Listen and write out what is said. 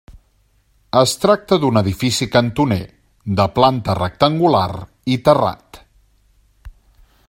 Es tracta d'un edifici cantoner, de planta rectangular i terrat.